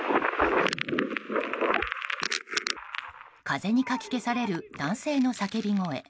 風にかき消される男性の叫び声。